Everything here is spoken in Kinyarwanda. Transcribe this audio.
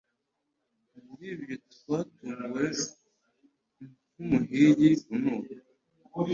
muribyo twatunguwe nkumuhigi unuka